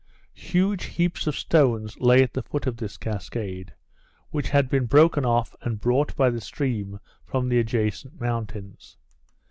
Huge heaps of stones lay at the foot of this cascade, which had been broken off and brought by the stream from the adjacent mountains.